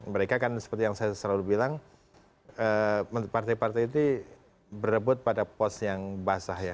mereka kan seperti yang saya selalu bilang partai partai itu berebut pada pos yang basah ya